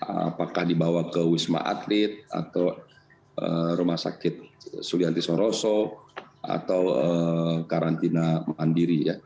apakah dibawa ke wisma atlet atau rumah sakit sulianti soroso atau karantina mandiri ya